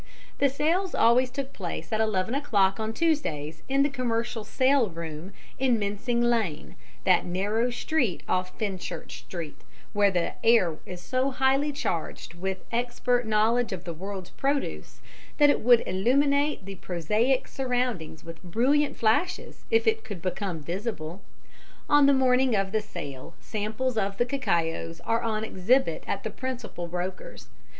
The sales always took place at 11 o'clock on Tuesdays in the Commercial Sale Room in Mincing Lane, that narrow street off Fenchurch Street, where the air is so highly charged with expert knowledge of the world's produce, that it would illuminate the prosaic surroundings with brilliant flashes if it could become visible. On the morning of the sale samples of the cacaos are on exhibit at the principal brokers.